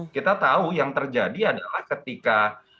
kita tahu yang terjadi adalah ketika